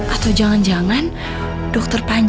atau jangan jangan dokter panji ada di rumah dokter panji